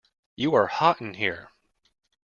You are hot in here!